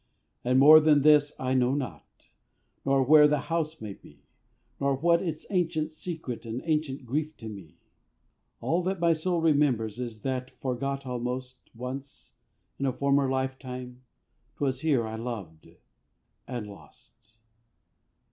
But more than this I know not; Nor where the house may be; Nor what its ancient secret And ancient grief to me. All that my soul remembers Is that, forgot almost, Once, in a former lifetime, 'Twas here I loved and lost.